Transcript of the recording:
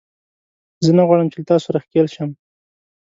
زه نه غواړم چې له تاسو سره ښکېل شم